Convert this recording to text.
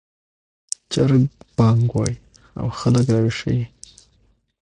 چرګ بانګ وايي او خلک راویښوي